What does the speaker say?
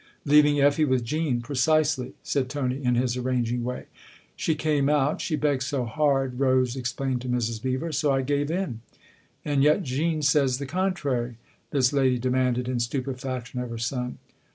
" Leaving Effie with Jean precisely," said Tony, in his arranging way. " She came out she begged so hard," Rose explained to Mrs. Beever. " So I gave in." " And yet Jean says the contrary ?" this lady demanded in stupefaction of her son.